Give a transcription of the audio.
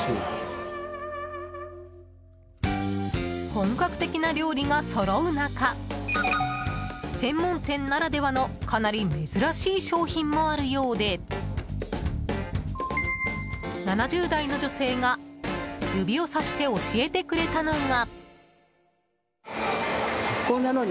本格的な料理がそろう中専門店ならではのかなり珍しい商品もあるようで７０代の女性が指をさして教えてくれたのが。